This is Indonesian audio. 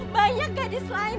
banyak gadis lain